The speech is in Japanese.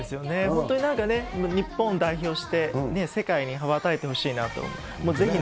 本当になんかね、日本を代表して世界に羽ばたいてほしいなと思います。